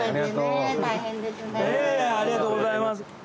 ありがとうございます。